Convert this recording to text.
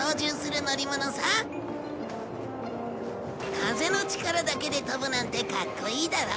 風の力だけで飛ぶなんてかっこいいだろう？